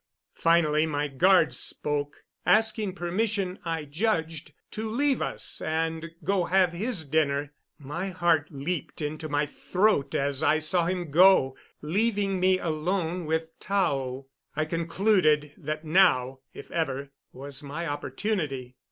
Finally my guard spoke, asking permission, I judged, to leave us and go have his dinner. My heart leaped into my throat as I saw him go, leaving me alone with Tao. I concluded that now, if ever, was my opportunity.